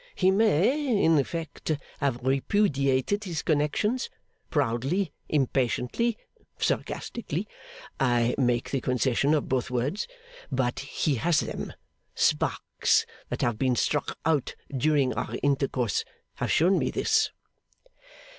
He may, in effect, have repudiated his connections, proudly, impatiently, sarcastically (I make the concession of both words); but he has them. Sparks that have been struck out during our intercourse have shown me this.